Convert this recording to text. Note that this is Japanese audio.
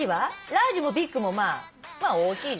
ラージもビッグも大きい。